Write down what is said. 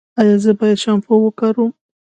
ایا زه باید شامپو وکاروم؟